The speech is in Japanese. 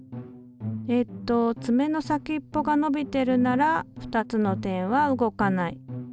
えとつめの先っぽが伸びてるなら２つの点は動かない。